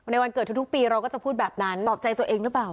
วันเกิดทุกปีเราก็จะพูดแบบนั้นปลอบใจตัวเองหรือเปล่า